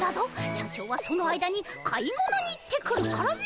社長はその間に買い物に行ってくるからな。